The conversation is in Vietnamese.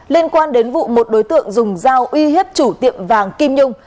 liên quan đến vụ một đối tượng dùng dao uy hiếp chủ tiệm vàng kim nhung